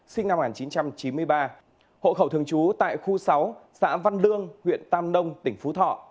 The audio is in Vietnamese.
sinh năm một nghìn chín trăm chín mươi ba hộ khẩu thường trú tại khu sáu xã văn lương huyện tam nông tỉnh phú thọ